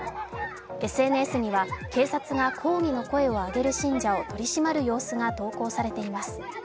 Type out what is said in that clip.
ＳＮＳには警察が抗議の声を上げる信者を取り締まる様子が投稿されています。